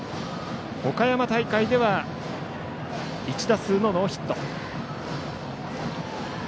岡山大会では１打数のノーヒット。